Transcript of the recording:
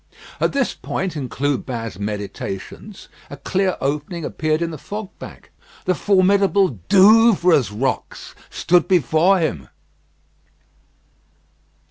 At this point in Clubin's meditations, a clear opening appeared in the fog bank, the formidable Douvres rocks stood before him.